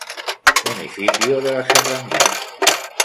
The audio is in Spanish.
Municipio de la Serranía.